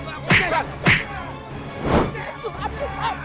pasang mata dia pak